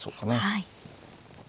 はい。